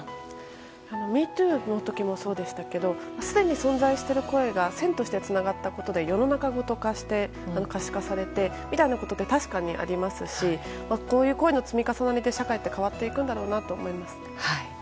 「＃ＭｅＴｏｏ」の時もそうでしたけどすでに存在している声が線としてつながったことで世の中ごととして可視化されるみたいなことは確かにありますしこういう声の積み重なりで社会が変わっていくんだろうなと思います。